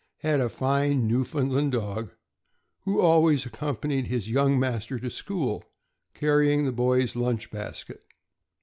had a fine Newfoundland dog, who always accompanied his young master to school, carrying the boy's lunch basket.